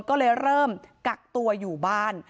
ก็เลยเริ่มกักตัวอยู่บ้าน